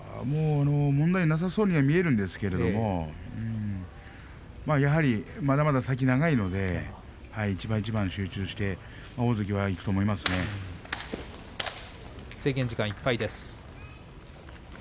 問題ないようには見えるんですけどやはり、まだまだ先は長いので一番一番集中して制限時間いっぱいです。